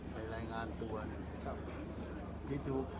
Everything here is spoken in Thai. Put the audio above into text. ไม่ได้